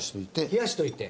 冷やしといて？